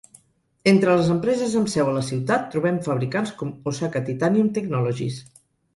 Entre les empreses amb seu a la ciutat, trobem fabricants com Osaka Titanium Technologies.